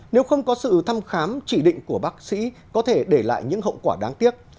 nếu không có sự thăm khám chỉ định của bác sĩ có thể để lại những hậu quả đáng tiếc